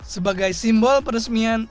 sebagai simbol peresmian